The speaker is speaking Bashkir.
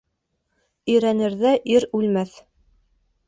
Ирәнерҙә ир үлмәҫ.